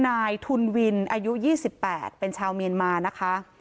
นายทุนวินอายุ๒๘เป็นชาวเมียนมานะคะ